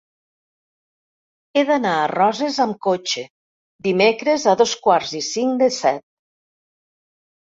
He d'anar a Roses amb cotxe dimecres a dos quarts i cinc de set.